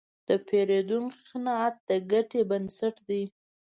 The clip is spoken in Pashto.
د پیرودونکي قناعت د ګټې بنسټ دی.